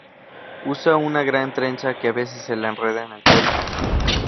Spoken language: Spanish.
Usa una gran trenza que a veces se la enreda en el cuello.